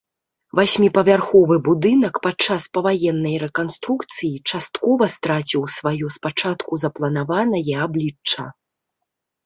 Васьміпавярховы будынак падчас паваеннай рэканструкцыі часткова страціў сваё спачатку запланаванае аблічча.